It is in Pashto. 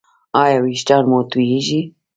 ایا ویښتان مو توییږي؟